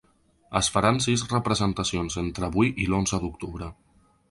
Es faran sis representacions entre avui i l’onze d’octubre.